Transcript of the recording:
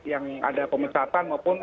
yang ada pemecatan maupun